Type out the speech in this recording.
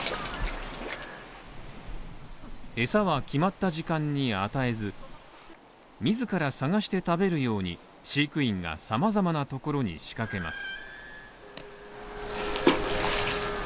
餌は決まった時間に与えず、自ら探して食べるように飼育員が様々なところに仕掛けます。